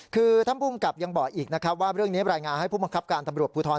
คือท่านภูมิกับยังบอกอีกนะครับว่าเรื่องนี้รายงานให้ผู้บังคับการตำรวจภูทร